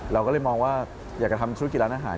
เราก็เลยมองว่าอยากจะทำธุรกิจร้านอาหาร